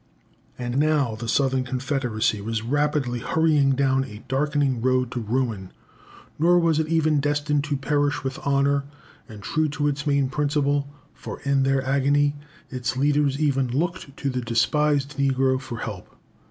And now the Southern Confederacy was rapidly hurrying down a darkening road to ruin nor was it even destined to perish with honour, and true to its main principle; for, in their agony, its leaders even looked to the despised negro for help.